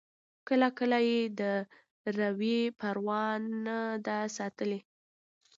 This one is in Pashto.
کله کله یې د روي پروا نه ده ساتلې.